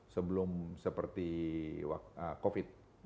sebelum seperti covid